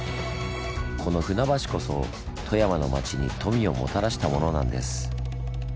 この船橋こそ富山の町に富をもたらしたものなんです。